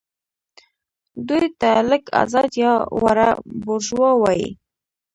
دوی ته لږ ازاد یا واړه بوروژوا وايي.